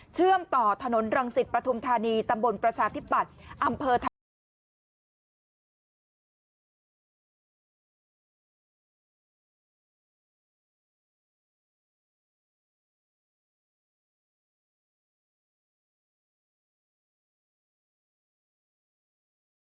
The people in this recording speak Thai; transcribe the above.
เชื่อมต่อถนนรังสิตประธุมธานีตำบลประชาธิบัติอำเภอไทย